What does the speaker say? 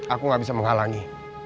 aku gak bisa menghalangi